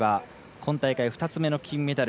今大会２つ目の金メダル。